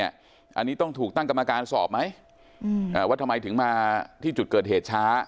อันนี้ต้องถูกตั้งกรรมการสอบไหมว่าทำไมถึงมาที่จุดเกิดเหตุช้า